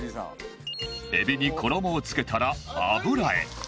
エビに衣を付けたら油へ